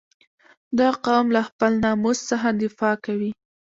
• دا قوم له خپل ناموس څخه دفاع کوي.